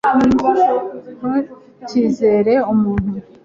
ntukizere umuntu